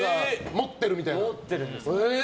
持ってるんです。